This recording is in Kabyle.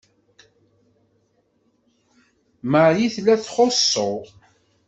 Marie tella txuṣṣu.